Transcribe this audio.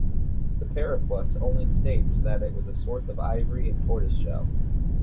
The "Periplus" only states that it was a source of ivory and tortoise shell.